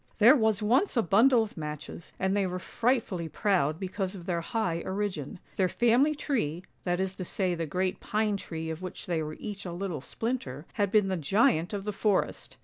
" There was once a bundle of matches, and they were fright fully proud because of their high origin. Their family tree, that is to say the great pine tree of which they were each a little splinter, had been the giant of the forest.